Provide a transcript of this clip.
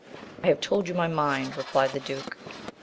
I have told you my mind, replied the duke.